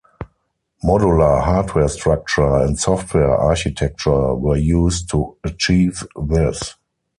Modular hardware structure and software architecture were used to achieve this.